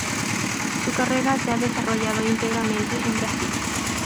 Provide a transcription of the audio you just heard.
Su carrera se ha desarrollado íntegramente en Brasil.